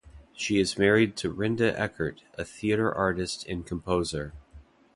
She is married to Rinde Eckert, a theatre artist and composer.